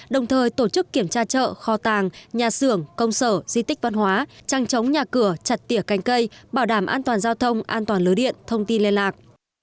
đồng thời tổ chức kiểm tra chợ kho tàng nhà xưởng công sở di tích văn hóa trăng chống nhà cửa chặt tỉa canh cây bảo đảm an toàn giao thông an toàn lưới điện thông tin liên lạc